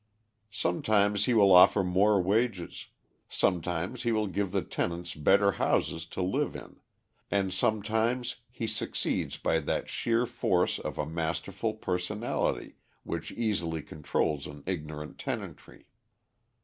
Sometimes he will offer more wages, sometimes he will give the tenants better houses to live in, and sometimes he succeeds by that sheer force of a masterful personality which easily controls an ignorant tenantry.